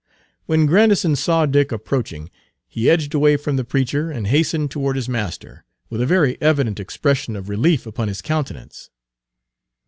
When Grandison saw Dick approaching, he edged away from the preacher and hastened toward his master, with a very evident expression of relief upon his countenance.